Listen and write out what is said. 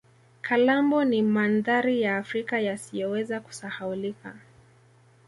kalambo ni mandhari ya africa yasiyoweza kusahaulika